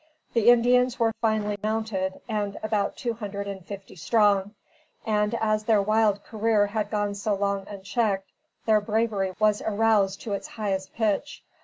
The Indians were finely mounted, and about two hundred and fifty strong; and, as their wild career had gone so long unchecked, their bravery was aroused to its highest pitch.